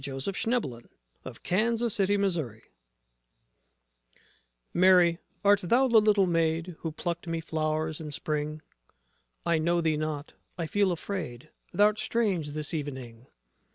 JOSEPH AND MARY JOSEPH Mary, art thou the little maid Who plucked me flowers in Spring? I know thee not: I feel afraid: Thou'rt strange this evening.